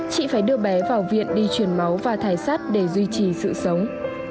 chị phải đưa bé vào viện đi chuyển máu và thải sát để duy trì sự sống